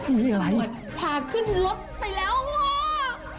อุ๊ยตำรวจพาขึ้นรถไปแล้วว่ะมีอะไร